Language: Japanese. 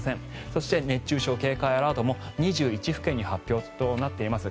そして熱中症警戒アラートも２１府県に発表となっています。